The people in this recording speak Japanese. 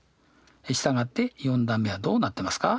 従って４段目はどうなってますか？